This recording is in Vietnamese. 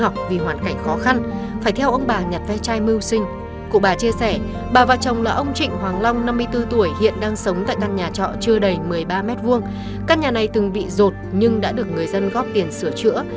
các nhà này từng bị rột nhưng đã được người dân góp tiền sửa chữa